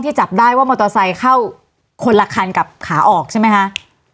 จับได้ว่ามอเตอร์ไซค์เข้าคนละคันกับขาออกใช่ไหมคะ